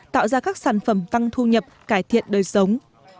tạo ra các sản phẩm tăng thu nhập cải thiện đời sống